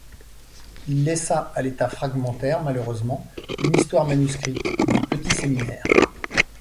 Il laissa, à l'état fragmentaire, malheureusement, une histoire manuscrite du Petit séminaire.